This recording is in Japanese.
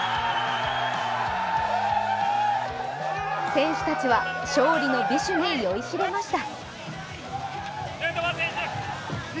選手たちは勝利の美酒に酔いしれました。